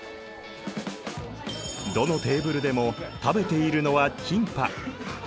どのテーブルでも食べているのはキンパ。